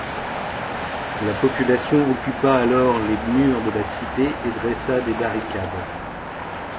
La population occupa alors les murs de la cité et dressa des barricades.